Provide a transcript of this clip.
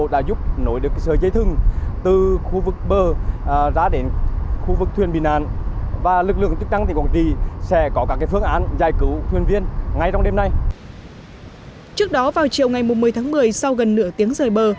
trước đó vào chiều ngày một mươi tháng một mươi sau gần nửa tiếng rời bờ